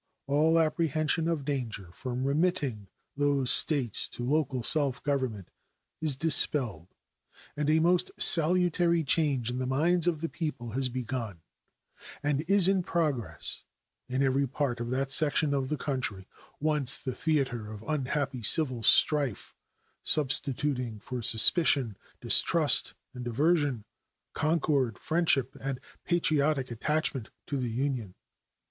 All apprehension of danger from remitting those States to local self government is dispelled, and a most salutary change in the minds of the people has begun and is in progress in every part of that section of the country once the theater of unhappy civil strife, substituting for suspicion, distrust, and aversion, concord, friendship, and patriotic attachment to the Union.